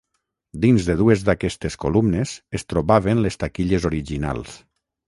Dins de dues d'aquestes columnes es trobaven les taquilles originals.